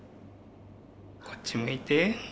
こっち向いて。